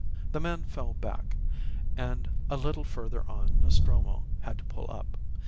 The man fell back; and a little further on Nostromo had to pull up.